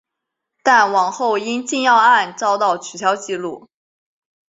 但往后因禁药案遭到取消记录。